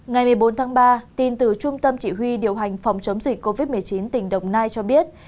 ngày một mươi bốn tháng ba tin từ trung tâm chỉ huy điều hành phòng chống dịch covid một mươi chín tỉnh đồng nai cho biết